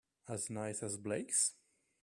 As nice as Blake's?